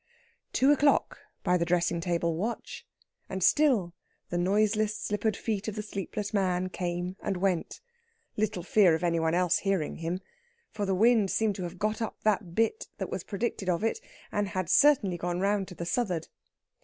Two o'clock by the dressing table watch, and still the noiseless slippered feet of the sleepless man came and went. Little fear of any one else hearing him! For the wind seemed to have got up the bit that was predicted of it, and had certainly gone round to the suth'ard.